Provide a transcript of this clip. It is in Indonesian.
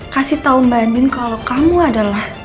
kasih tahu mbak andin kalau kamu adalah